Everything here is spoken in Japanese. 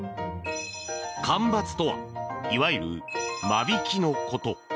間伐とはいわゆる間引きのこと。